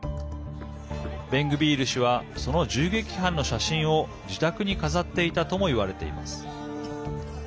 ベングビール氏はその銃撃犯の写真を自宅に飾っていたともいわれています。